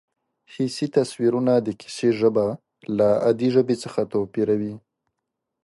حسي تصویرونه د کیسې ژبه له عادي ژبې څخه توپیروي